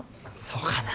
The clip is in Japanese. そうかな。